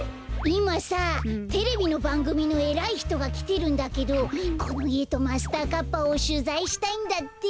いまさテレビのばんぐみのえらいひとがきてるんだけどこのいえとマスターカッパをしゅざいしたいんだって。